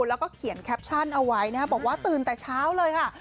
แล้วก็เขียนแคปชั่นเอาไว้นะครับบอกว่าตื่นแต่เช้าเลยค่ะ